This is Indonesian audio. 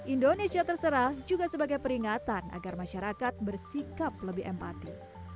indonesia terserah juga sebagai peringatan agar masyarakat bersikap lebih empati